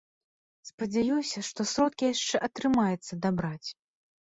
Спадзяюся, што сродкі яшчэ атрымаецца дабраць.